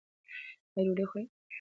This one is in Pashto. ایا ډوډۍ خورئ؟